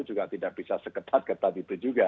juga tidak bisa seketat ketat itu juga